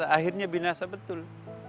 akhirnya binasa betul